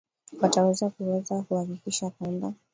wataweza kuweza kuhakikisha kwamba